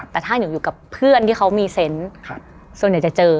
แต่ถ้านิวอยู่กับเพื่อนที่เขามีเซนต์ส่วนใหญ่จะเจอ